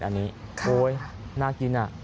อันนี้โอ๊ยน่ากิน